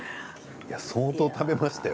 相当食べましたよ